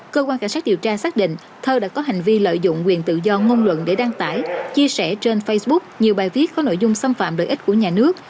cơ quan cảnh sát điều tra xác định thơ đã có hành vi lợi dụng quyền tự do ngôn luận để đăng tải chia sẻ trên facebook nhiều bài viết có nội dung xâm phạm lợi ích của nhà nước